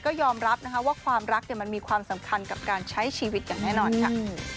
ก็ยอมรับนะคะว่าความรักมันมีความสำคัญกับการใช้ชีวิตอย่างแน่นอนค่ะ